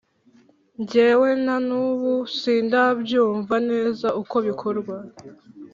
Njyewe nanubu sindabyumva neza uko bikorwa